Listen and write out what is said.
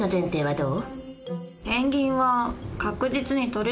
どう？